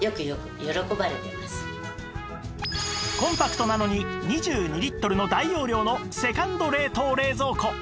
コンパクトなのに２２リットルの大容量のセカンド冷凍・冷蔵庫